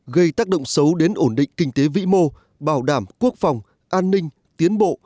gây tác động xấu đến ổn định kinh tế vĩ mô bảo đảm quốc phòng an ninh tiến bộ